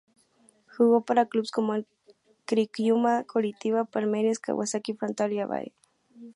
Jugó para clubes como el Criciúma, Coritiba, Palmeiras, Kawasaki Frontale y Avaí.